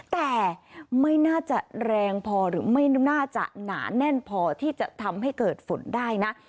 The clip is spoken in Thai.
แต่ไม่น่าจะแรงพอหรือไม่น่าจะหนาแน่นพอที่จะทำให้เกิดฝนได้นะ